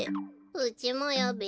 うちもよべ。